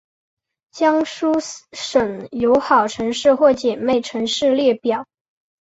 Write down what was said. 江苏省友好城市或姐妹城市列表